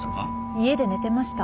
家で寝てました。